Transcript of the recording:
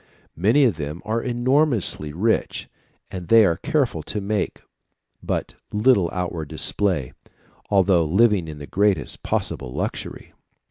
Many of them are enormously rich, but they are careful to make but little outward display, although living in the greatest possible luxury."